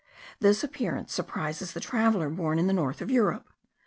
This appearance surprises the traveller born in the north of Europe.